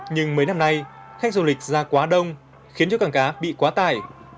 nhưng mấy năm nay khách du lịch ra quá đông khiến cho cảng cá bị quá tải